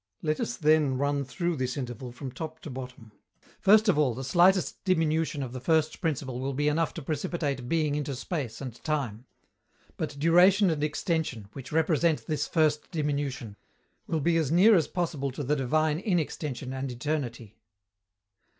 Let us then run through this interval from top to bottom. First of all, the slightest diminution of the first principle will be enough to precipitate Being into space and time; but duration and extension, which represent this first diminution, will be as near as possible to the divine inextension and eternity.